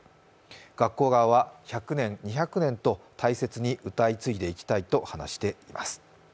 学校側は、１００年、２００年と大切に歌い継いでいきたいと話しています。